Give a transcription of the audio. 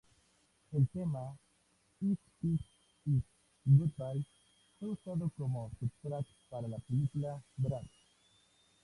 El tema "If this is goodbye" fue usado cómo soundtrack para la película "Bratz".